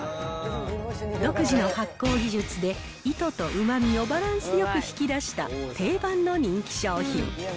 独自の発酵技術で糸とうまみをバランスよく引き出した定番の人気商品。